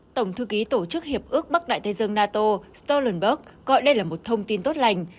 tổng thư ký tổ chức hiệp ước bắc đại tây dương nato stolnberg gọi đây là một thông tin tốt lành